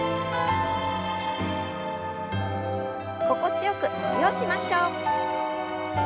心地よく伸びをしましょう。